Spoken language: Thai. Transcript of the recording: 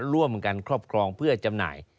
ร่วมกันครอบครองเพื่อจำหน่าย